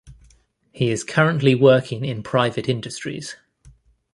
He is currently working in private industries.